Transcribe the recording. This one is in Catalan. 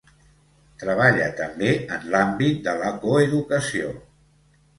Treballa també en l'àmbit de la coeducació.